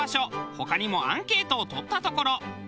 他にもアンケートをとったところ。